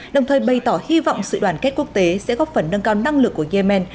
đồng thời bày tỏ hy vọng sự đoàn kết quốc tế sẽ góp phần nâng cao năng lực của yemen